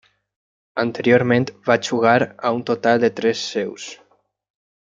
Anteriorment va jugar a un total de tres seus.